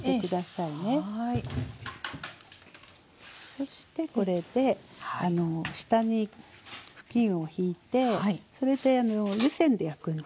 そしてこれで下に布巾をひいてそれで湯煎で焼くんですね。